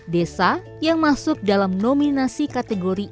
desa yang masuk dalam nominasi kategori